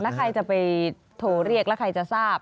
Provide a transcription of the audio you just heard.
ถ้าใครจะไปโทรเรียกแล้วใครจะทราบ